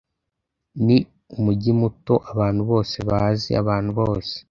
Ni umujyi muto. Abantu bose bazi abantu bose.